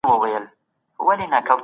د ټولنې اصلاح زموږ دنده ده.